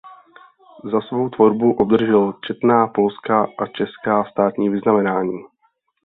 Za svou tvorbu obdržel četná polská a česká státní vyznamenání.